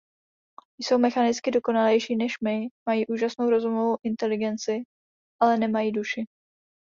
Jsou mechanicky dokonalejší než my, mají úžasnou rozumovou inteligenci, ale nemají duši.